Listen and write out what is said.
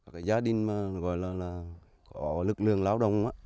cái gia đình mà gọi là có lực lượng lao động á